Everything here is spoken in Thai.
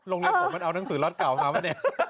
โรงเรียนผมมันเอาหนังสือล็อตเก่ามาป่ะเนี่ย